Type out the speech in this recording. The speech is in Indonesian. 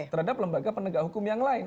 terhadap lembaga penegak hukum yang lain